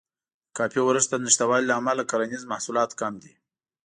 د کافي ورښت له نشتوالي امله کرنیز محصولات کم دي.